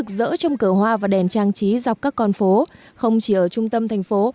rỡ trong cửa hoa và đèn trang trí dọc các con phố không chỉ ở trung tâm thành phố